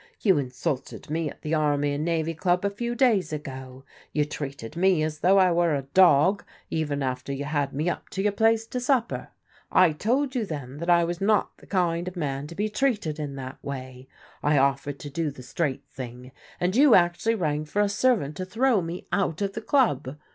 You insulted me at the Army and Navy Club a few days ago. You treated me as though I were a dog, even after you had me up to your place to supper. I told you then that I was not the kind of man to be treated in that way. I offered to do the straight thing, and you actually rang for a servant to throw me out of the club.